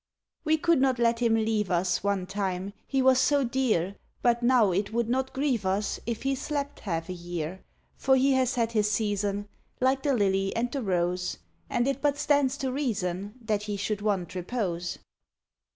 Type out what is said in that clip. We could not let him leave us One time, he was so dear, But now it would not grieve us If he slept half a year. For he has had his season, Like the lily and the rose, And it but stands to reason That he should want repose.